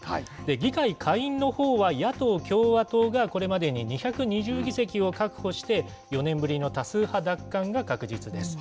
議会下院のほうは野党・共和党がこれまでに２２０議席を確保して、４年ぶりの多数派奪還が確実です。